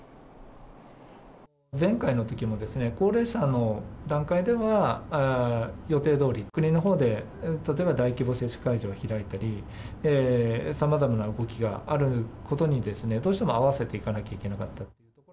前回のときも高齢者の段階では、予定どおり、国のほうで例えば大規模接種会場を開いたり、さまざまな動きがあることに、どうしても合わせていかなきゃいけなかった。